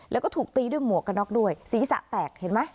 แล้วก็ถูกตีด้วยหมวกกระน็อกด้วยศีรษะแตกเห็นไหม